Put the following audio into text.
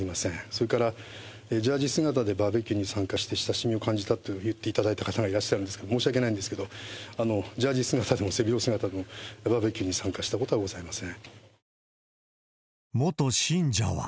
それから、ジャージ姿でバーベキューに参加して親しみを感じたと言っていただいた方がいらっしゃるんですけど、申し訳ないんですけど、ジャージ姿でも背広姿でもバーベキューに参加したことはございま元信者は。